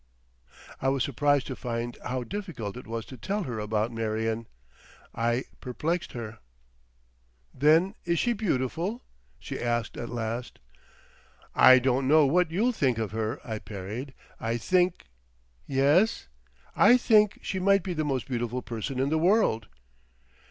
I was surprised to find how difficult it was to tell her about Marion. I perplexed her. "Then is she beautiful?" she asked at last. "I don't know what you'll think of her," I parried. "I think—" "Yes?" "I think she might be the most beautiful person in the world."